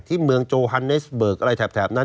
ที่เมืองโจฮันเนสเบิกอะไรแถบนั้น